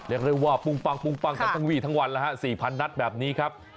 เรียกได้ว่าปุ้งปั้งกันทั้งวี่ทั้งวันแล้วฮะ๔๐๐นัดแบบนี้ครับ